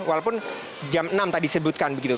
walaupun jam enam tadi disebutkan begitu